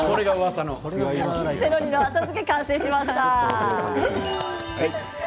セロリの浅漬け完成しました。